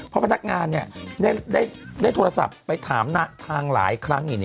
เพราะพนักงานได้โทรศัพท์ไปถามทางหลายครั้ง